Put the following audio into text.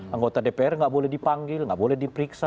anggota dpr enggak boleh dipanggil enggak boleh diperiksa